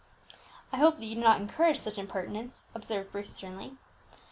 "I hope that you do not encourage such impertinence," observed Bruce sternly.